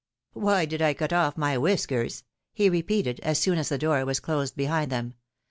" Why did I cut off my whiskers ?" he repeated, as soon as the door was closed behind them.